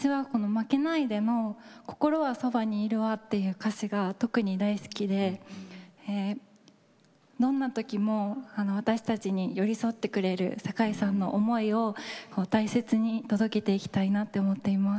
この「負けないで」の「心はそばにいるわ」という歌詞が特に大好きでどんな時も私たちに寄り添ってくれる坂井さんの思いを大切に届けていきたいと思っています。